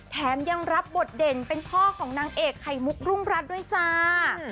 แถมยังรับบทเด่นเป็นพ่อของนางเอกไข่มุกรุงรัฐด้วยจ้า